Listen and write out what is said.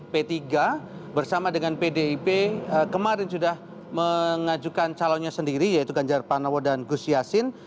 p tiga bersama dengan pdip kemarin sudah mengajukan calonnya sendiri yaitu ganjar panawo dan gus yassin